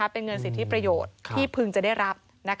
เป็นเงินสิทธิประโยชน์ที่พึงจะได้รับ